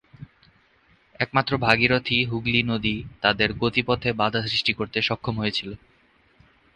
একমাত্র ভাগীরথী-হুগলি নদী তাদের গতিপথে বাধা সৃষ্টি করতে সক্ষম হয়েছিল।